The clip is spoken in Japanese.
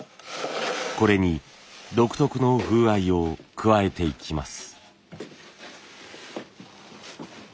これに独特の風合いを加えていきます。